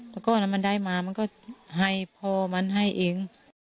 แต่ก้อนมันได้มามันก็ให้พ่อมันให้เอง